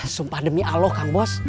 sumpah demi allah kang bos